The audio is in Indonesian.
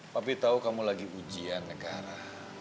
papi tau kamu lagi ujian negara